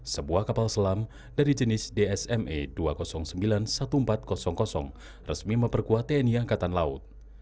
sebuah kapal selam dari jenis dsme dua ratus sembilan ribu empat ratus resmi memperkuat tni angkatan laut